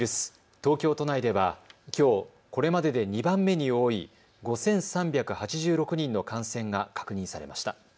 東京都内では、きょうこれまでで２番目に多い５３８６人の感染が確認されました。